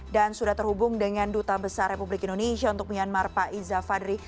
dan sudah terhubung dengan duta besar republik indonesia untuk myanmar pak iza fadri